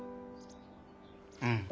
うん。